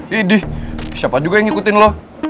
hidih siapa juga yang ngikutin lo